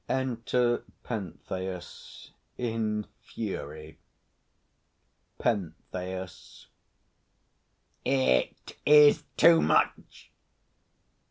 Enter PENTHEUS in fury. PENTHEUS. It is too much!